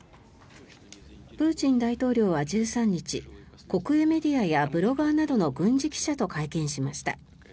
プーチン大統領は１３日国営メディアやブロガーなどの軍事記者と会見しました。